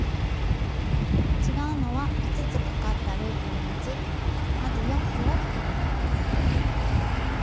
違うのは５つかかったループのうちまず４つを引き抜きます。